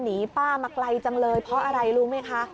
ป้ามาไกลจังเลยเพราะอะไรรู้ไหมคะ